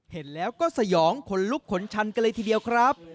เห็นแล้วก็สยองขนลุกขนชันกันเลยทีเดียวครับ